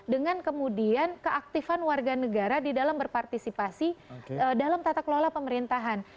dengan kemudian keaktifan warga negara di dalam berpartisipasi dalam tata kelola pemerintahan